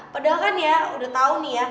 padahal kan ya udah tau nih ya